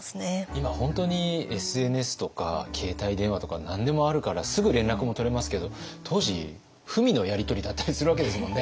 今本当にＳＮＳとか携帯電話とか何でもあるからすぐ連絡も取れますけど当時文のやり取りだったりするわけですもんね。